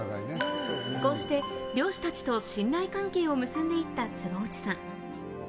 こうして漁師たちと信頼関係を結んで行った坪内さん。